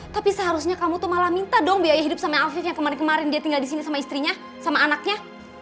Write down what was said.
tapi seharusnya kamu tuh malah minta dong biaya hidup sama alvif yang kemarin kemarin dia tinggal di sini sama istrinya sama anaknya